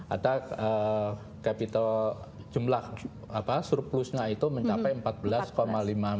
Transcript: ada capital jumlah surplusnya itu mencapai empat belas lima miliar